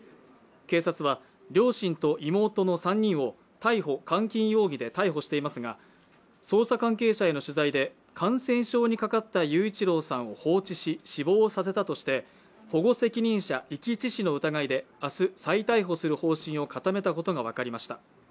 警察は、両親と妹の３人を逮捕監禁容疑で逮捕していますが捜査関係者への取材で感染症にかかった雄一郎さんを放置し死亡させたとして保護責任者遺棄致死の疑いで、明日、再逮捕する方針を固めたことが分かりました。